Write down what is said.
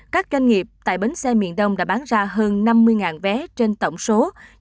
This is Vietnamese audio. các doanh nghiệp tại bến xe miền đông đã bán ra hơn năm mươi vé trên tổng số